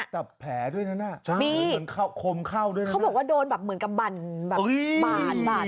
ตับแผลด้วยนะน่ะคมเข้าด้วยนะน่ะมีเขาบอกว่าโดนแบบเหมือนกับบันบาดอยู่